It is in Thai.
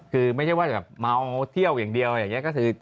คือไม่ใช่ว่าแบบเมาเที่ยวอย่างเดียวอย่างนี้ก็คือ